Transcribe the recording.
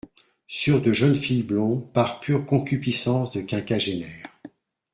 sur de jeunes filles blondes par pure concupiscence de quinquagénaire.